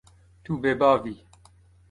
Tu bêbav î.